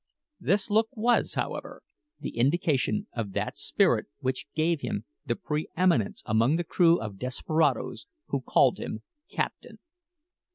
This look was, however, the indication of that spirit which gave him the pre eminence among the crew of desperadoes who called him captain.